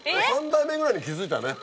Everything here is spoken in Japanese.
３台目ぐらいに気付いたね。